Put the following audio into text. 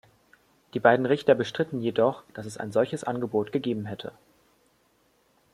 Die beiden Richter bestritten jedoch, dass es ein solches Angebot gegeben hätte.